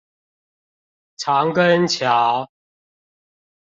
長庚橋